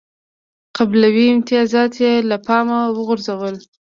قبیلوي امتیازات یې له پامه وغورځول.